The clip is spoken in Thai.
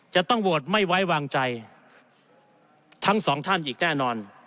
จะต้องโหวตไม่ไว้วางใจทั้งสองท่านอีกแน่นอน